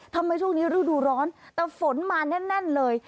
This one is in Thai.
ทำไมช่วงนี้ฤดูร้อนแต่ฝนมาแน่นเลย